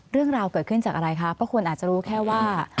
เรื่องราวเกิดขึ้นจากอะไรคะเพราะคนอาจจะรู้แค่ว่า